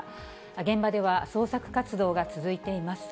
現場では捜索活動が続いています。